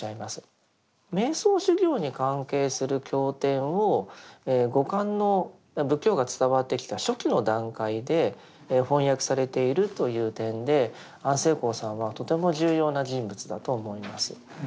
瞑想修行に関係する経典を後漢の仏教が伝わってきた初期の段階で翻訳されているという点で安世高さんはとても重要な人物だと思います。